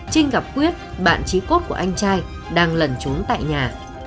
trinh gặp quyết bạn trí cốt của anh trai đang lẩn trốn tại nhà